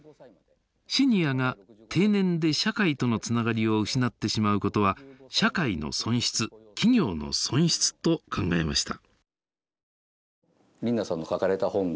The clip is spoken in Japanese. シニアが定年で社会とのつながりを失ってしまうことは社会の損失企業の損失と考えました。